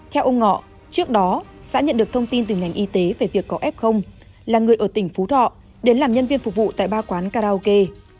theo ông ngọ trước đó xã nhận được thông tin từ ngành y tế về việc có f là người ở tỉnh phú thọ đến làm nhân viên phục vụ tại ba quán karaoke